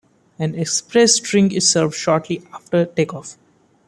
An express drink is served shortly after takeoff.